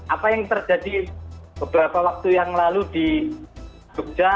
apa yang terjadi beberapa waktu yang lalu di jogja